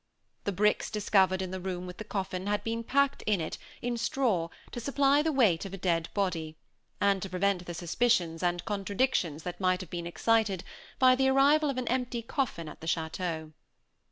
The bricks discovered in the room with the coffin, had been packed in it, in straw, to supply the weight of a dead body, and to prevent the suspicions and contradictions that might have been excited by the arrival of an empty coffin at the chateau.